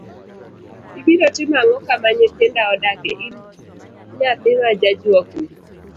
Ibiro timo ang'o kama nyithinda odake, in naythi ma jajuok ni?